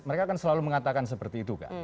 mereka kan selalu mengatakan seperti itu kak